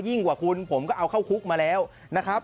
กว่าคุณผมก็เอาเข้าคุกมาแล้วนะครับ